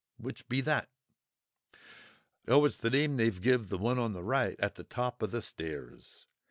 Which be that?" "Oh, it's the name they've give the one on the right at the top o' the stairs.